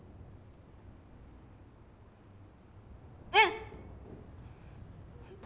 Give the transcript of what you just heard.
うん！